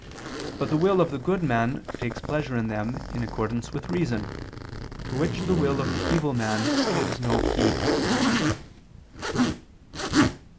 But the will of the good man takes pleasure in them in accordance with reason, to which the will of the evil man gives no heed.